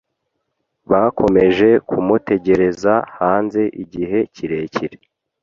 Bakomeje kumutegereza hanze igihe kirekire.